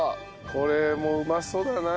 これもうまそうだな。